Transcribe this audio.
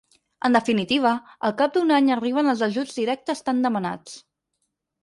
En definitiva, al cap d’un any arriben els ajuts directes tan demanats.